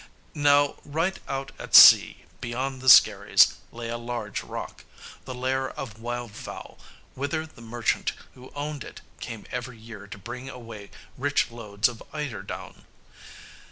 Now, right out at sea, beyond the skerries, lay a large rock, the lair of wild fowl, whither the merchant who owned it came every year to bring away rich loads of eider down.